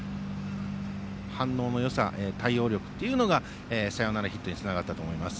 反応のよさ、対応力がサヨナラヒットにつながったと思います。